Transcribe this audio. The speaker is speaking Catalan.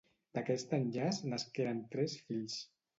D'aquest enllaç nasqueren tres fills: